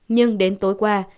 nhưng đến tối qua